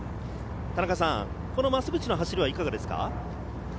田中さん、増渕の走りはいかがですか？